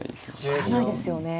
分からないですよね。